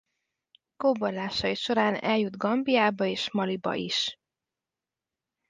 Kóborlásai során eljut Gambiába és Maliba is.